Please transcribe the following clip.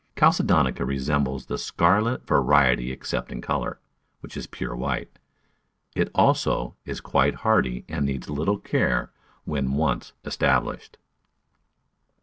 Chalcedonica resem bles the scarlet variety except in colour, which is pure white. It also is quite hardy and needs little care when once established.